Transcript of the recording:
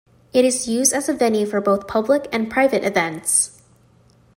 It is used as a venue for both public and private events.